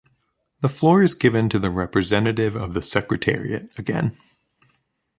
The floor is given to the representative of the Secretariat again.